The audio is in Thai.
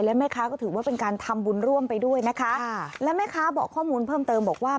และแม่ค้าก็ถือว่าเป็นการทำบุญร่วมไปด้วยนะคะค่ะและแม่ค้าบอกข้อมูลเพิ่มเติมบอกว่า